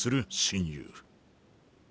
親友。